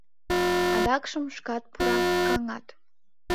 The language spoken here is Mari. Адакшым шкат пуракаҥат.